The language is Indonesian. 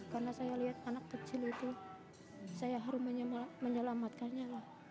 karena saya lihat anak kecil itu saya harus menyelamatkannya